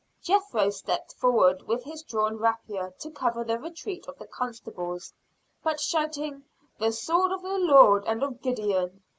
Jethro stepped forward with his drawn rapier to cover the retreat of the constables; but shouting, "the sword of the Lord and of Gideon!"